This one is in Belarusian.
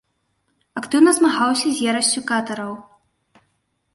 Актыўна змагаўся з ерассю катараў.